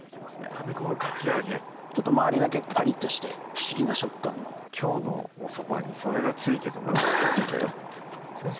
なめこのかき揚げ周りだけパリッとして不思議な食感のきょうのおそばにそれが付いててもよかったですね先生